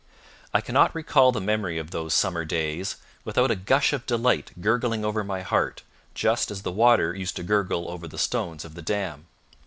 I cannot recall the memory of those summer days without a gush of delight gurgling over my heart, just as the water used to gurgle over the stones of the dam.